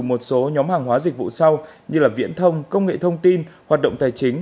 một số nhóm hàng hóa dịch vụ sau như viễn thông công nghệ thông tin hoạt động tài chính